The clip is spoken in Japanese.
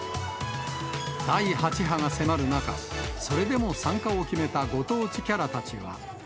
第８波が迫る中、それでも参加を決めたご当地キャラたちは。